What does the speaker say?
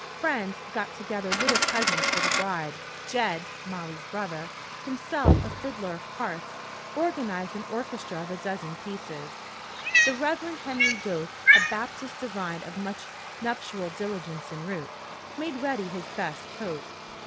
Friends got together little presents for the bride. Jed, Molly's brother, himself a fiddler of parts, organized an orchestra of a dozen pieces. The Rev. Henry Doak, a Baptist divine of much nuptial diligence en route, made ready his best coat.